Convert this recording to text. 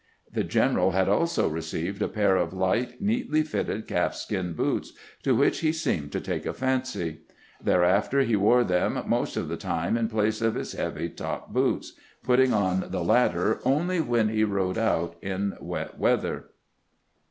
The general had also received a pair of light, neatly fitting calfskin boots, to which he seemed to take a fancy; thereafter he wore them most of the time in place of his heavy top boots, putting on the latter only when he rode out in wet weather.